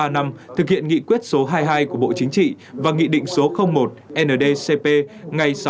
ba năm thực hiện nghị quyết số hai mươi hai của bộ chính trị và nghị định số một ndcp ngày sáu